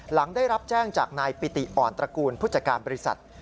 หลังได้รับแจ้งจากนายปิติอ่อนตระกูลผู้จัดการบริษัท